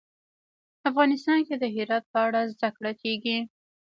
افغانستان کې د هرات په اړه زده کړه کېږي.